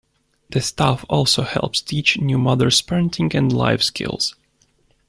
The staff also helps teach new mothers parenting and life skills.